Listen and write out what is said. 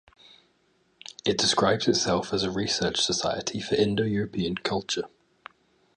It describes itself as a "research society for Indo-European culture".